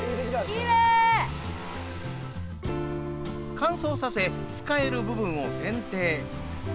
乾燥させ、使える部分を選定。